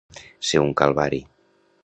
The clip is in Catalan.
Ser un calvari.